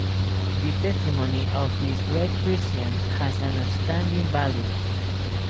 The testimony of this great Christian has an outstanding value.